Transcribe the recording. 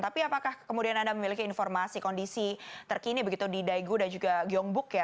tapi apakah kemudian anda memiliki informasi kondisi terkini begitu di daegu dan juga gyongbook ya